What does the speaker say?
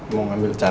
mau ngambil charger